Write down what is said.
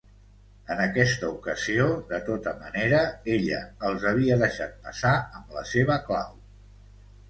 En aquesta ocasió, de tota manera, ella els havia deixat passar amb la seva clau.